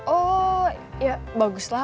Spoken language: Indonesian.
oh ya bagus lah